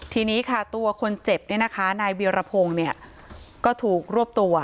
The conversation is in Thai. ทีนี้ค่ะตัวคนเจ็บเนี่ยนะคะนายเวียรพงศ์เนี่ยก็ถูกรวบตัว